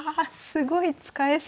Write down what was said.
すごい使えそうな。